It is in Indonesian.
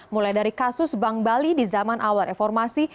mulai dari kasus bank bali di zaman awal reformasi